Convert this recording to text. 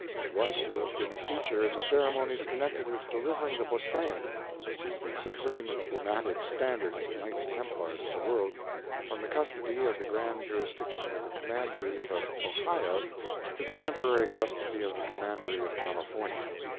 Tt was to have bean a feature in the ceremonies connected with oelivering the Beauseant, which is the supreme emblematic standard of the Knights Templars of the world, from the custody of the Grand Jurisdiction of the Comman deries of Ohio to the temporary custody of the Commandery of California.